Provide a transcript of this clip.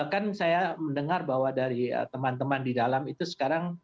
kan saya mendengar bahwa dari teman teman di dalam itu sekarang